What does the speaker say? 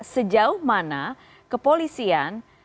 sejauh mana kepolisian